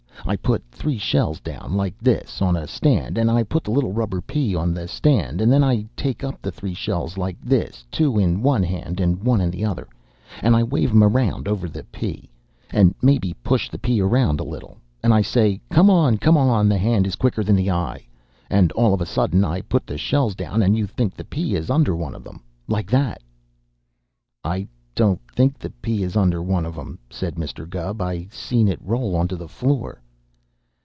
I put three shells down like this, on a stand, and I put the little rubber pea on the stand, and then I take up the three shells like this, two in one hand and one in the other, and I wave 'em around over the pea, and maybe push the pea around a little, and I say, 'Come on! Come on! The hand is quicker than the eye!' And all of a suddent I put the shells down, and you think the pea is under one of them, like that " "I don't think the pea is under one of 'em," said Mr. Gubb. "I seen it roll onto the floor."